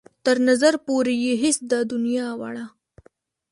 تر نظر پورې يې هېڅ ده د دنيا واړه.